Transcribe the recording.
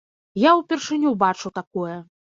Я ўпершыню бачу такое.